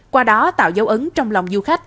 qua đó tạo dấu ứng trong lòng du khách